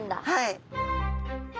はい。